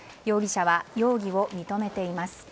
容疑者は容疑を認めています。